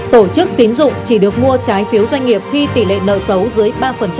tổ chức tín dụng chỉ được mua trái phiếu doanh nghiệp khi tỷ lệ nợ xấu dưới ba